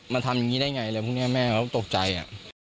แม่เขาตกใจอะ